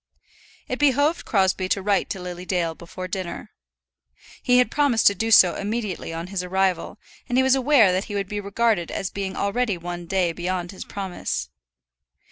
It behoved Crosbie to write to Lily Dale before dinner. He had promised to do so immediately on his arrival, and he was aware that he would be regarded as being already one day beyond his promise.